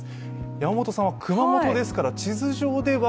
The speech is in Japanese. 山本さんは熊本ですから地図上では。